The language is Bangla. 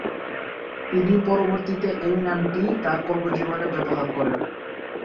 তিনি পরবর্তীতে এই নামটিই তার কর্মজীবনে ব্যবহার করেন।